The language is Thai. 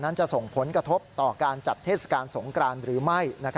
จะส่งผลกระทบต่อการจัดเทศกาลสงกรานหรือไม่